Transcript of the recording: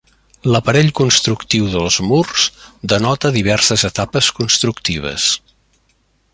L'aparell constructiu dels murs denota diverses etapes constructives.